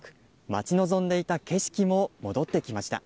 待ち望んでいた景色も戻ってきました。